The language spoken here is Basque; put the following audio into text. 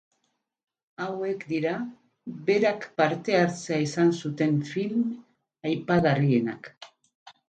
Hauek dira berak parte hartzea izan zuten film aipagarrienak.